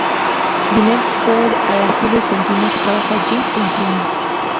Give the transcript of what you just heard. Binet fue al asilo y continuó su trabajo allí con Simon.